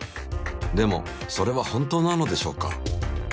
でもそれは本当なのでしょうか。